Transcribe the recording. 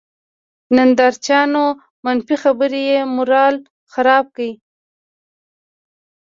نندارچيانو، منفي خبرې یې مورال خراب کړ.